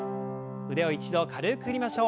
腕を一度軽く振りましょう。